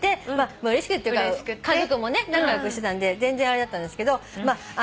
うれしくっていうか家族もね仲良くしてたんで全然あれだったんですけど。